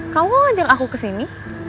kamu ngajak aku kesini